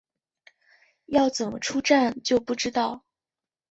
要怎么出站就不知道